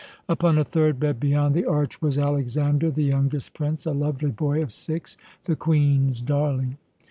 Upon a third bed, beyond the arch, was Alexander, the youngest prince, a lovely boy of six, the Queen's darling.